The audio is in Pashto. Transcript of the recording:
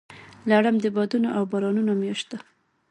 لړم د بادونو او بارانونو میاشت ده.